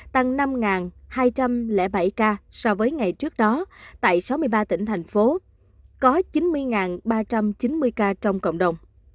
tăng năm hai trăm linh bảy ca so với ngày trước đó tại sáu mươi ba tỉnh thành phố có chín mươi ba trăm chín mươi ca trong cộng đồng